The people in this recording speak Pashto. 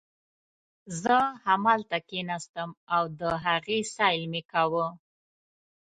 زه همالته کښېناستم او د هغې سیل مې کاوه.